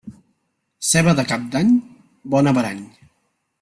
Ceba de cap d'any, bon averany.